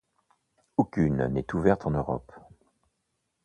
Aucune n'est ouverte en Europe.